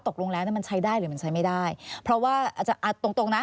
ตกลงแล้วมันใช้ได้หรือมันใช้ไม่ได้เพราะว่าตรงนะ